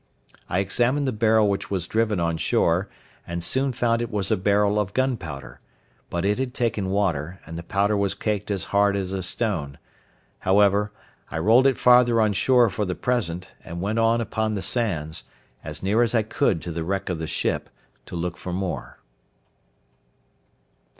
I examined the barrel which was driven on shore, and soon found it was a barrel of gunpowder; but it had taken water, and the powder was caked as hard as a stone; however, I rolled it farther on shore for the present, and went on upon the sands, as near as I could to the wreck of the ship, to look for more.